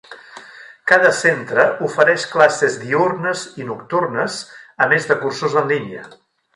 Cada centre ofereix classes diürnes i nocturnes, a més de cursos en línia.